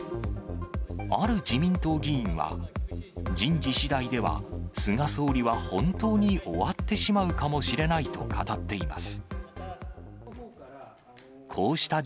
ある自民党議員は、人事しだいでは、菅総理は本当に終わってしまうかもしれないと語っています。